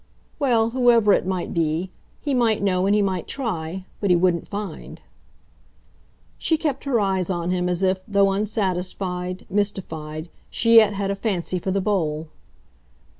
"Well, whoever it might be. He might know and he might try. But he wouldn't find." She kept her eyes on him as if, though unsatisfied, mystified, she yet had a fancy for the bowl.